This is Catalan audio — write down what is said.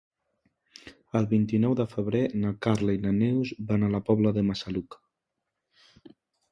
El vint-i-nou de febrer na Carla i na Neus van a la Pobla de Massaluca.